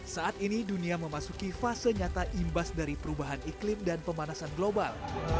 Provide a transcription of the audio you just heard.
saat ini dunia memasuki fase nyata imbas dari perubahan iklim dan pemanasan global